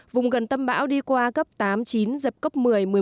vùng gần tâm bão đi qua cấp tám chín dập cấp một mươi một mươi một